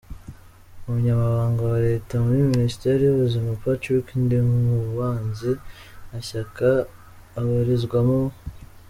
Umunyamabanga wa Leta muri Minisiteri y’ubuzima, Patrick Ndimubanzi Nta shyaka abarizwamo.